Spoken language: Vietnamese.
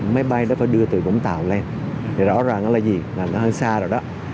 máy bay nó phải đưa từ vũng tàu lên thì rõ ràng nó là gì là nó hơi xa rồi đó